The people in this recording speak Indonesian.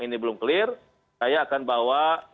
ini belum clear saya akan bawa